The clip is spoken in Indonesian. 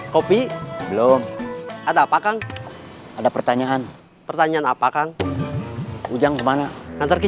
kopi belum ada apa kang ada pertanyaan pertanyaan apa kang ujang kemana nanti